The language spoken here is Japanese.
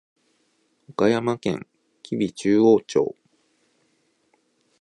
岡山県吉備中央町